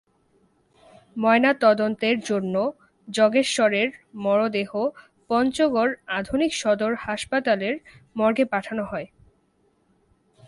ময়নাতদন্তের জন্য যগেশ্বরের মরদেহ পঞ্চগড় আধুনিক সদর হাসপাতালের মর্গে পাঠানো হয়।